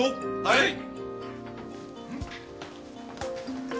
はい！